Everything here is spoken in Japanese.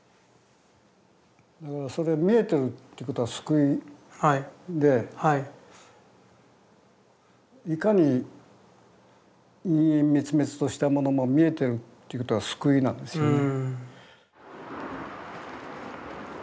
だからそれ見えてるってことは救いでいかに陰陰滅滅としたものも見えてるっていうことは救いなんですよね。